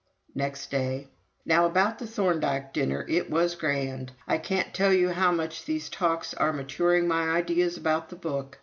Next day: "Now about the Thorndike dinner: it was grand. ... I can't tell you how much these talks are maturing my ideas about the book.